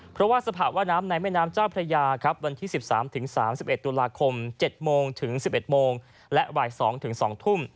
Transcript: เพราะว่าสภาวะน้ำในแม่น้ำเจ้าพระยาครับวันที่๑๓๓๑ตุลาคม๗โมงถึง๑๑โมงและบ่าย๒๒ทุ่ม